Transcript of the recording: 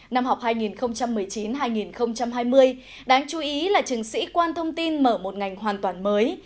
năm học hai nghìn một mươi chín hai nghìn hai mươi đáng chú ý là trường sĩ quan thông tin mở một ngành hoàn toàn mới